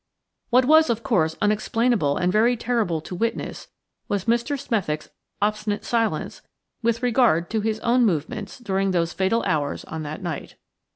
What was, of course, unexplainable and very terrible to witness was Mr. Smethick's obstinate silence with regard to his own movements during those fatal hours on that night.